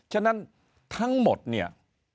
ฉะนั้นทั้งหมดเนี่ย